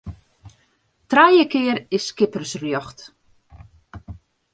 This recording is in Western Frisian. Trije kear is skippersrjocht.